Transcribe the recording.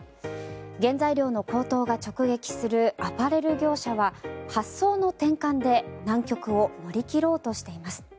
原材料の高騰が直撃するアパレル業者は発想の転換で難局を乗り切ろうとしています。